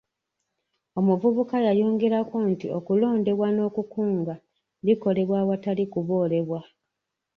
Omuvubuka yayongerako nti okulondebwa n'okukunga bikolebwa awatali kuboolebwa.